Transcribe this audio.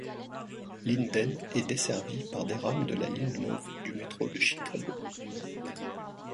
Linden est desservie par des rames de la ligne mauve du métro de Chicago.